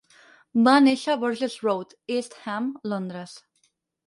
Va néixer a Burges Road, East Ham, Londres.